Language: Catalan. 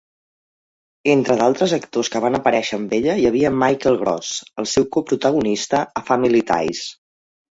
Entre d'altres actors que van aparèixer amb ella hi havia Michael Gross, el seu coprotagonista a "Family Ties".